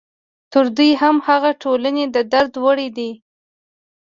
تر دوی هم هغه ټولنې د درد وړ دي.